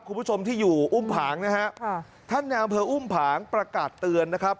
คุณผู้ชมที่อยู่อุ้มผางนะฮะค่ะท่านในอำเภออุ้มผางประกาศเตือนนะครับ